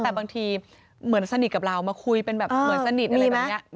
แต่บางทีเหมือนสนิทกับเรามาคุยเป็นแบบเหมือนสนิทอะไรแบบนี้